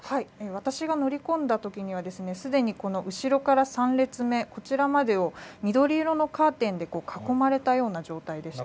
私が乗り込んだときには、すでにこの後ろから３列目、こちらまでを緑色のカーテンで囲まれたような状態でした。